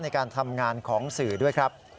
ในการทำงานของสื่อด้วยครับ